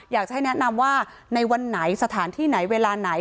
อยากจะให้แนะนำว่าในวันไหนสถานที่ไหนเวลาไหน